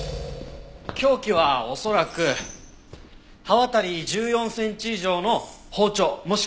凶器は恐らく刃渡り１４センチ以上の包丁もしくはナイフだね。